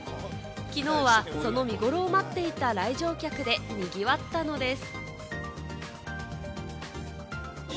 きのうはその見ごろを待っていた来場客で賑わったのです。